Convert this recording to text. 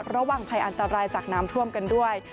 ระวังภัยอันตรายจากน้ำท่วมกันด้วย